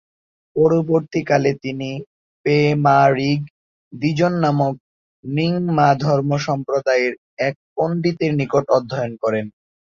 পরবর্তীকালে তিনি পে-মা-রিগ-'দ্জিন নামক র্ন্যিং-মা ধর্মসম্প্রদায়ের এক পন্ডিতের নিকট অধ্যয়ন করেন।